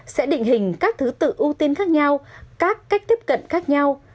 sẽ định hình các thứ tự ưu tiên khác nhau các cách tiếp cận khác nhau